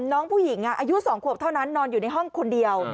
น้องผู้หญิงอายุ๒ขวบเท่านั้นนอนอยู่ในห้องคนเดียว